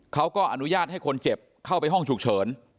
เขาก็อนุญาตให้คนเจ็บเข้าไปห้องฉุกเฉิน